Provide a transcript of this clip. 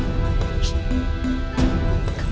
tante andis jangan